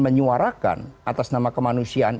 menyuarakan atas nama kemanusiaan